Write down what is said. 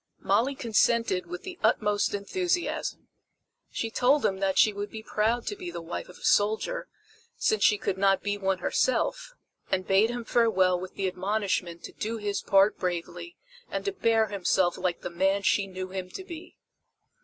Molly consented with the utmost enthusiasm. She told him that she would be proud to be the wife of a soldier, since she could not be one herself, and bade him farewell with the admonishment to do his part bravely and to bear himself like the man she knew him to be.